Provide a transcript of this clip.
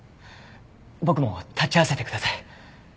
僕も立ち会わせてください。